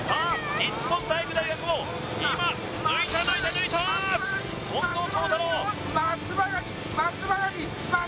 日本体育大学を今抜いた抜いた抜いた近藤幸太郎